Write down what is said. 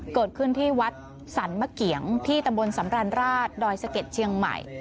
เกิดขึ้นที่วัดสรรมะเกียงที่ตำบลสำรันราชดอยสะเก็ดเชียงใหม่